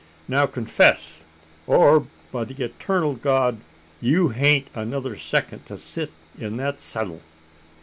Now, confess! or, by the etarnal God! you hain't another second to sit in that seddle!"